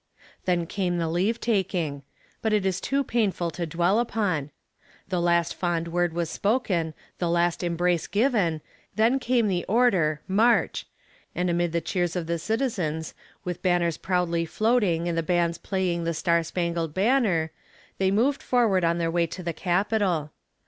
Then came the leave taking but it is too painful to dwell upon the last fond word was spoken, the last embrace given, then came the order "march" and amid the cheers of the citizens with banners proudly floating, and the bands playing "The Star Spangled Banner," they moved forward on their way to the Capital.